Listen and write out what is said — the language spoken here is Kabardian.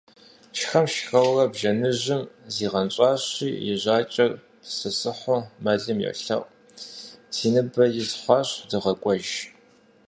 Шхэм–шхэурэ, бжэныжьым зигъэнщӀащи и жьакӀэр пысысыхьу мэлым йолъэӀу: - Си ныбэм из хуащ, дыгъэкӀуэж.